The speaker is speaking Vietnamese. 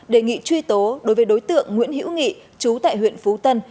đề nghị truy tố đối với đối tượng nguyễn hiễu nghị chú tại huyện phú tân